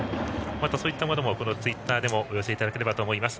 そういったものもこちらのツイッターでお寄せいただければと思います。